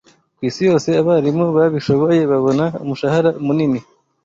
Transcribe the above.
Kwisi yose abarimu babishoboye babona umushahara munini